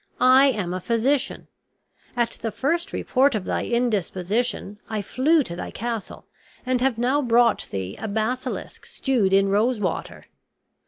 I am a physician; at the first report of thy indisposition I flew to thy castle and have now brought thee a basilisk stewed in rose water.